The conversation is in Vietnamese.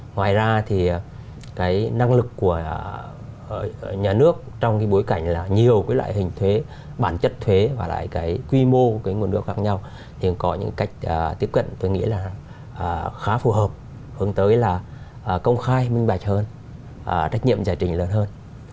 ngoài ra thì cái năng lực của nhà nước trong cái bối cảnh là nhiều cái loại hình thuế bản chất thuế và lại cái quy mô cái nguồn nước khác nhau thì có những cách tiếp cận tôi nghĩ là khá phù hợp hướng tới là công khai minh bạch hơn trách nhiệm giải trình lớn hơn